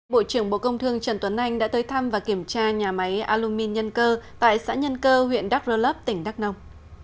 bộ trưởng bộ công thương trần tuấn anh đã tới thăm và kiểm tra nhà máy alumin nhân cơ tại xã nhân cơ huyện đắk rơ lấp tỉnh đắk nông